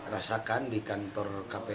rasakan di kantor kpu